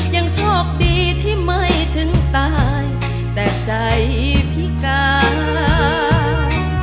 ยังโชคดีที่ไม่ถึงตายแต่ใจพิการ